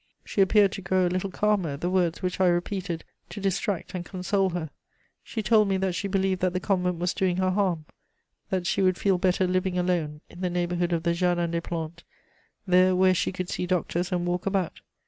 She appeared to grow a little calmer at the words which I repeated to distract and console her. She told me that she believed that the convent was doing her harm, that she would feel better living alone, in the neighbourhood of the Jardin des Plantes, there where she could see doctors and walk about.